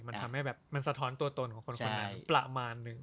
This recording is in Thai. มันทำให้แบบมันสะท้อนตัวตนของคนคนนั้นประมาณนึง